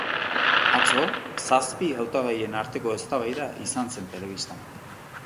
Atzo zazpi hautagaien arteko eztabaida izan zen telebistan.